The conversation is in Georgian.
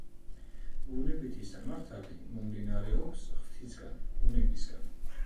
ბუნებითი სამართალი მომდინარეობს ღვთისგან, ბუნებისგან.